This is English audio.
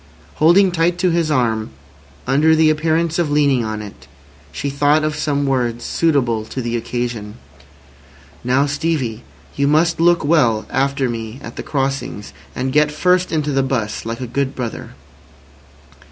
Holding tight to his arm, under the appearance of leaning on it, she thought of some words suitable to the occasion. "Now, Stevie, you must look well after me at the crossings, and get first into the 'bus, like a good brother."